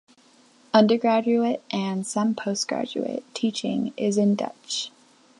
Undergraduate and some postgraduate teaching is in Dutch.